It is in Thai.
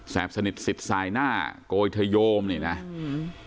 แสบสนิทสิทธิ์สายหน้ากโกยเทยมนี่นะอืม